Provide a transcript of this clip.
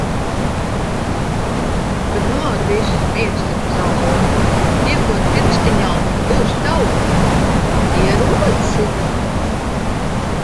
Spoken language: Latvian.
Bet nu ar viss miegs ir cauri! Iekod pirkstiņā, būs tauki. Ieroči?